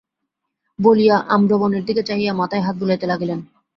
বলিয়া আম্রবনের দিকে চাহিয়া মাথায় হাত বুলাইতে লাগিলেন।